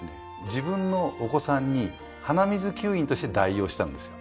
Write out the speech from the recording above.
自分のお子さんに鼻水吸引として代用したんです。